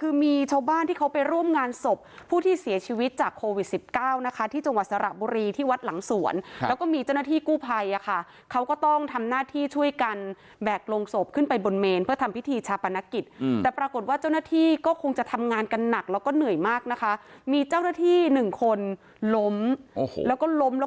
คือมีชาวบ้านที่เขาไปร่วมงานศพผู้ที่เสียชีวิตจากโควิดสิบเก้านะคะที่จังหวัดสระบุรีที่วัดหลังสวนแล้วก็มีเจ้าหน้าที่กู้ภัยอ่ะค่ะเขาก็ต้องทำหน้าที่ช่วยกันแบกลงศพขึ้นไปบนเมนเพื่อทำพิธีชาปนกิจแต่ปรากฏว่าเจ้าหน้าที่ก็คงจะทำงานกันหนักแล้วก็เหนื่อยมากนะคะมีเจ้าหน้าที่หนึ่งคนล้มโอ้โหแล้วก็ล้มแล้ว